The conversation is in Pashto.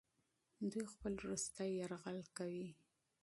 دوی خپل وروستی یرغل کوي.